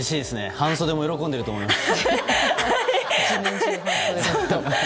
半袖も喜んでいると思います。